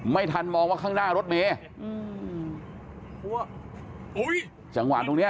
ไม่ทันมองว่าข้างหน้ารถเมย์อืมอุ้ยจังหวะตรงเนี้ย